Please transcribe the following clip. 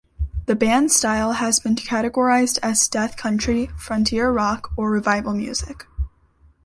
The band's style has been categorized as "death country", "frontier rock", or "revival music".